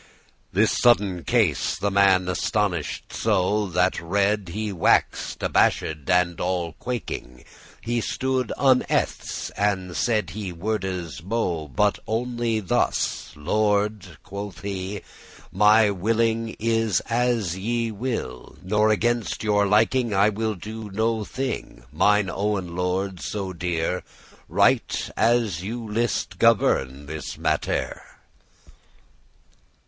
This sudden case* the man astonied so, *event That red he wax'd, abash'd,* and all quaking *amazed He stood; unnethes* said he wordes mo', *scarcely But only thus; "Lord," quoth he, "my willing Is as ye will, nor against your liking I will no thing, mine owen lord so dear; Right as you list governe this mattere."